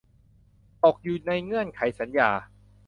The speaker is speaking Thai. ตกอยู่ในเงื่อนไขสัญญา